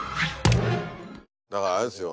だからあれですよ